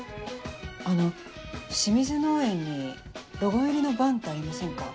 あの清水農園にロゴ入りのバンってありませんか？